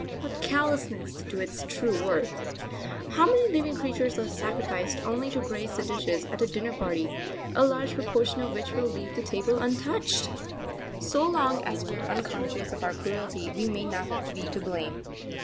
What callousness to its true worth! How many living creatures are sacrificed only to grace the dishes at a dinner party, a large proportion of which will leave the table untouched! So long as we are unconscious of our cruelty we may not be to blame.